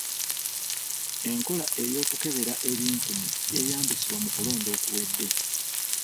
Enkola ey'okukebera ebinkumu yeeyambisibwa mu kulonda okuwedde.